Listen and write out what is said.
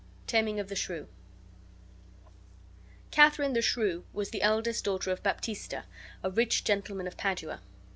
TAMING OF THE SHREW Katharine, the Shrew, was the eldest daughter of Baptista, a rich gentleman of Padua.